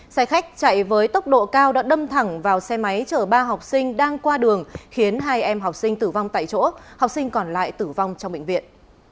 xe khách chạy với tốc độ cao đã đâm thẳng vào xe máy chở ba học sinh đang qua đường khiến hai em học sinh tử vong tại chỗ học sinh còn lại tử vong trong bệnh viện